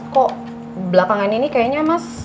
kok belakangan ini kayaknya mas